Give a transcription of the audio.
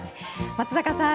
松坂さん